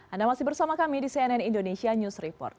anda masih bersama kami di cnn indonesia news report